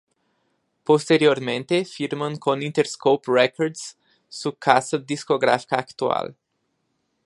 Posteriormente firman con Interscope Records, su casa discográfica actual.